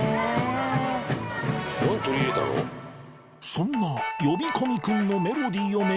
そんな呼び込み君のメロディーを巡り